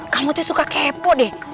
kamu tuh suka kepo deh